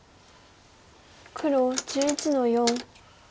黒１１の四。